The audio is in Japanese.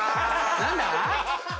何だ？